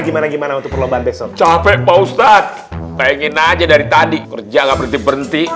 gimana gimana untuk perlombaan besok capek pak ustadz pengen aja dari tadi kerja nggak berhenti berhenti